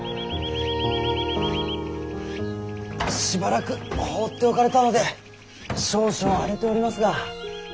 しばらく放っておかれたので少々荒れておりますが。